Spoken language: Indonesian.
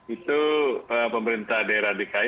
itu pemerintah daerah dki